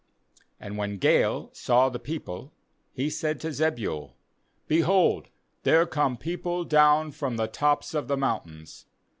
35And when Gaal saw the people, he said to Zebul: 'Behold, there come people down from the tops of the mountains.'